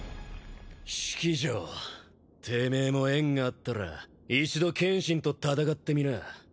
式尉てめえも縁があったら一度剣心と戦ってみな。